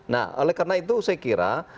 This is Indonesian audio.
nah oleh karena itu saya kira